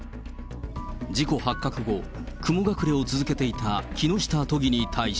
事故発覚後、雲隠れを続けていた木下都議に対し。